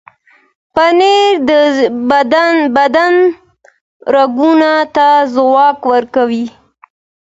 پنېر د بدن رګونو ته ځواک ورکوي.